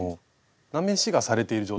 なめしがされている状態。